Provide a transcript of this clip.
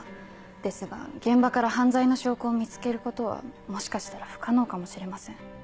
ですが現場から犯罪の証拠を見つけることはもしかしたら不可能かもしれません。